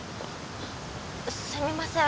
すみません。